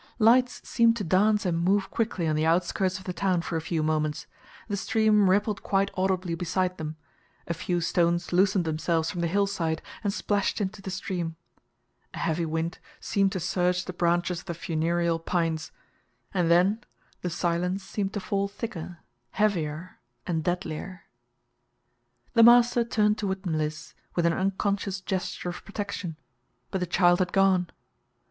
Lights seemed to dance and move quickly on the outskirts of the town for a few moments, the stream rippled quite audibly beside them, a few stones loosened themselves from the hillside and splashed into the stream, a heavy wind seemed to surge the branches of the funereal pines, and then the silence seemed to fall thicker, heavier, and deadlier. The master turned toward Mliss with an unconscious gesture of protection, but the child had gone.